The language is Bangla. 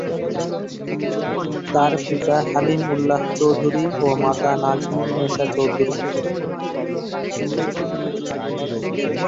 তার পিতা হালিম উল্লাহ চৌধুরী ও মাতা নাজমুন নেসা চৌধুরী।